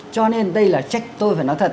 cho nên đây là trách tôi phải nói thật